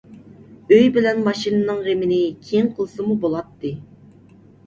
ئۆي بىلەن ماشىنىنىڭ غېمىنى كېيىن قىلسىمۇ بولاتتى.